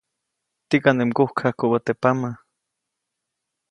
Tikaʼnde mgukjajkubä teʼ pama.